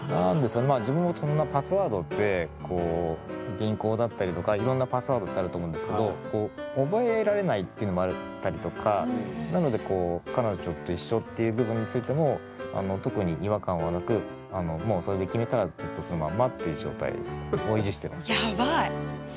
自分もそんなパスワードって銀行だったりとかいろんなパスワードってあると思うんですけど覚えられないっていうのもあったりとかなのでこうそれで決めたらずっとそのまんまっていう状態を維持してますね。